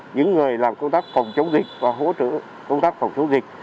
những người làm công tác phòng chống dịch và hỗ trợ công tác phòng chống dịch